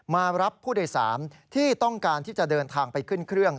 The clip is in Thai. มารับผู้โดยสารที่ต้องการที่จะเดินทางไปขึ้นเครื่อง